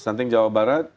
penanganan jawa barat